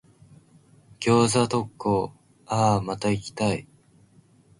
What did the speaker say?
餃子特講、あぁ、また行きたい。